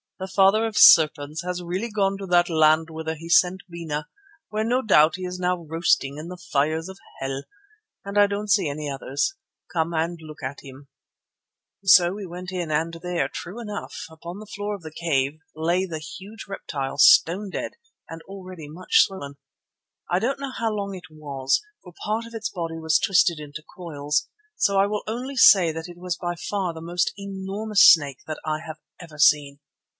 "The Father of Serpents has really gone to that land whither he sent Bena, where no doubt he is now roasting in the fires of hell, and I don't see any others. Come and look at him." So in we went and there, true enough, upon the floor of the cave lay the huge reptile stone dead and already much swollen. I don't know how long it was, for part of its body was twisted into coils, so I will only say that it was by far the most enormous snake that I have ever seen.